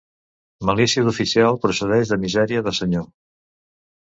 Malícia d'oficial procedeix de misèria de senyor.